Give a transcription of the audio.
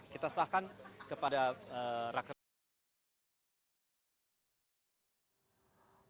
kita sahkan kepada rakernas